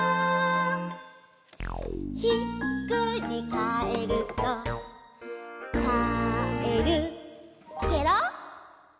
「ひっくりかえるとかえるケロ」